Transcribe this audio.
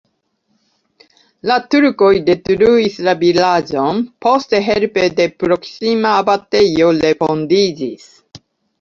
La turkoj detruis la vilaĝon, poste helpe de proksima abatejo refondiĝis.